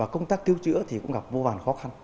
các tiêu chữa cũng gặp vô vàn khó khăn